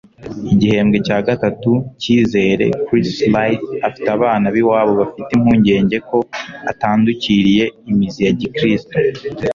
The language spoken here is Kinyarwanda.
Igihembwe cya gatandatu cyizere Chris Sligh afite abafana b'iwabo bafite impungenge ko atandukiriye imizi ya gikristo.